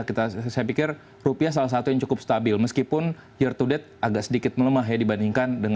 saya pikir rupiah salah satu yang cukup stabil meskipun year to date agak sedikit melemah ya dibandingkan dengan karansi lain di asia